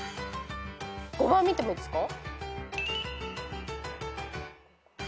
５番見てもいいですか？